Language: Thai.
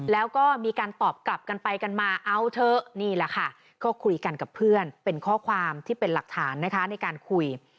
แล้วก็มีการตอบกลับกันไปกันมาเอาเถอะนี่แหละค่ะก็คุยกันกับเพื่อนเป็นข้อความที่เป็นหลักฐานนะคะในการคุย